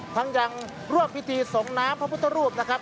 ทั้งยังร่วมพิธีส่งน้ำพระพุทธรูปนะครับ